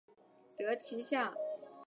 得其下